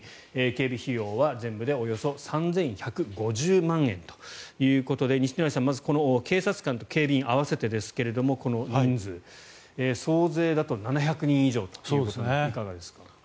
警備費用は全部でおよそ３１５０万円ということで西成さん、まずは警察官と警備員合わせてですけれどこの人数、総勢だと７００人以上ということですがいかがですか？